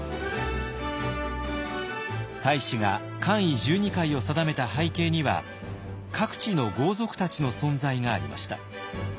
太子が冠位十二階を定めた背景には各地の豪族たちの存在がありました。